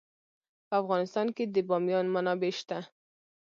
په افغانستان کې د بامیان منابع شته.